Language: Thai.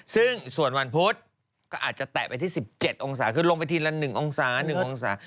ซึ่งส่วนวันพุธก็อาจจะแตะไปที่๑๗องศาคือลงไปทีละ๑องศา๑องศา